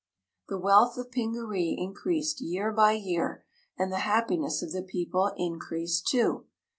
The wealth of Pingaree increased year by year; and the happiness of the people increased, too.